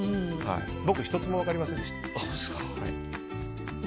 僕、１つも分かりませんでした。